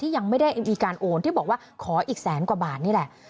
ยังไม่ได้มีการโอนที่บอกว่าขออีกแสนกว่าบาทนี่แหละ